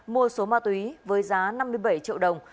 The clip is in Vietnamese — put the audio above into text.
mua số ma túy với giá năm mươi bảy triệu đồng